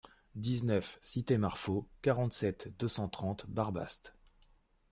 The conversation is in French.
dix-neuf cité Marfaut, quarante-sept, deux cent trente, Barbaste